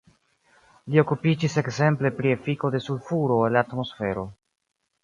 Li okupiĝis ekzemple pri efiko de sulfuro en la atmosfero.